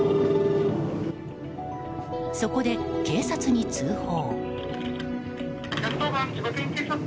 そこで、警察に通報。